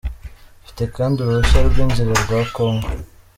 Mfite kandi uruhushya rw’inzira rwa Congo.